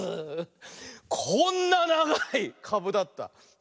こんなながいかぶだった。ね。